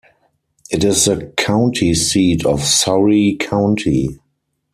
It is the county seat of Surry County.